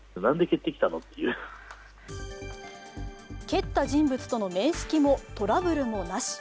蹴った人物との面識もトラブルもなし。